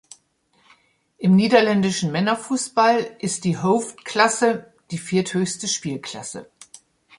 Im niederländischen Männerfußball ist die Hoofdklasse die vierthöchste Spielklasse.